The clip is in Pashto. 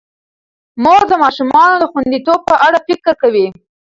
مور د ماشومانو د خوندیتوب په اړه فکر کوي.